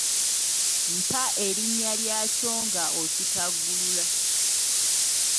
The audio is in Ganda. Mpa erinnya lyakyo nga okigattulula.